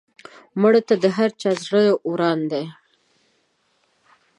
مړه ته د هر چا زړه وران دی